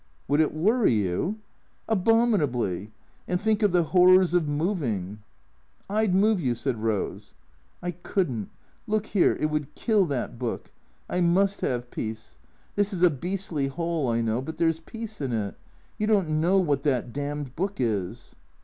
" Would it worry you ?"" Abominably. And think of the horrors of moving !"" I 'd move you," said Rose. " I could n't. Look here. It would kill that book. I must have peace. This is a beastly hole, I know, but there 's peace in it. You don't know what that damned book is."